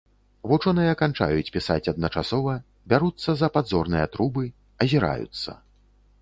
Вучоныя канчаюць пісаць адначасова, бяруцца за падзорныя трубы, азіраюцца.